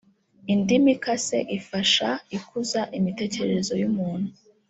Indimu ikase ifasha ikuza imitekerereze y’umuntu